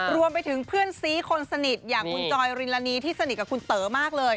รวมไปถึงเพื่อนซีคนสนิทอย่างคุณจอยริลานีที่สนิทกับคุณเต๋อมากเลย